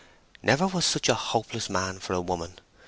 "Never was such a hopeless man for a woman!